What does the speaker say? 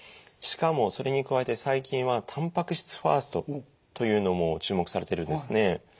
しかもそれに加えて最近はたんぱく質ファーストというのも注目されてるんですね。